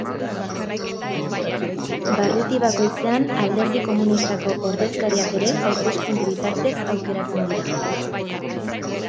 Barruti bakoitzean Alderdi Komunistako ordezkariak ere hauteskunde bitartez aukeratzen dira.